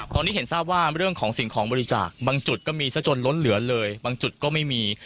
ตอนนี้เห็นทราบว่าเรื่องของสิ่งของบริจาคบางจุดก็มีซะจนล้นเหลือเลยบางจุดก็ไม่มี